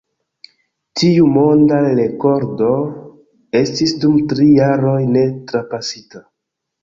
Tiu monda rekordo estis dum tri jaroj ne trapasita.